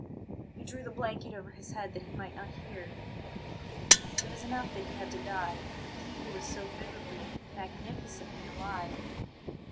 He drew the blanket over his head that he might not hear. It was enough that he had to die he who was so vividly, magnificently alive.